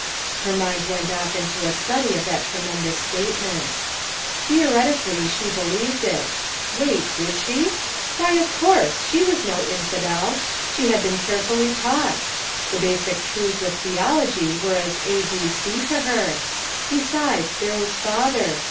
Her mind went off into a study of that tremendous statement Theoretically she believed it; wait— did she? Why of course! she was no infidel; she had been carefully taught. The basic truths of theology were as A. B. C. to her. Besides— there was father.